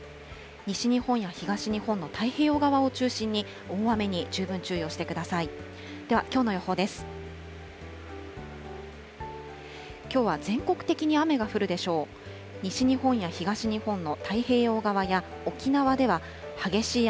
西日本や東日本の太平洋側を中心に、大雨に十分注意をしてください。